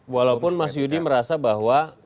walaupun mas yudi merasa bahwa